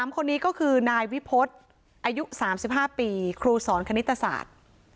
๓คนนี้ก็คือนายวิพฤษอายุ๓๕ปีครูสอนคณิตศาสตร์